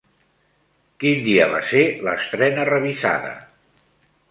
Quin dia va ser l'estrena revisada?